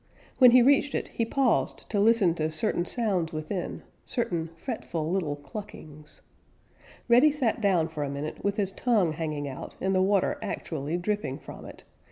When he reached it he paused to listen to certain sounds within, certain fretful little cluckings. Reddy sat down for a minute with his tongue hanging out and the water actually dripping from it.